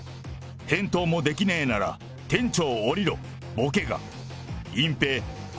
返答もできねーなら店長を降りろ、ボケが。